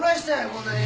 こんなに。